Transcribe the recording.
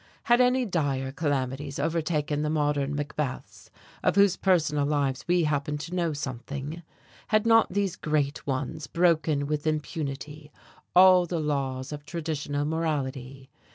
Had any dire calamities overtaken the modern Macbeths, of whose personal lives we happened to know something? Had not these great ones broken with impunity all the laws of traditional morality?